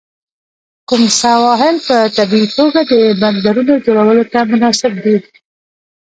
کوم سواحل په طبیعي توګه د بندرونو جوړولو ته مناسب دي؟